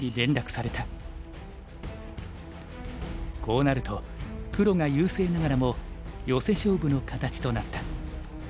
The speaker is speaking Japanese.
こうなると黒が優勢ながらもヨセ勝負の形となった。